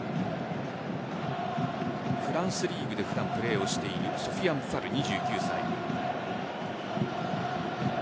フランスリーグで普段プレーをしているソフィアン・ブファル２９歳。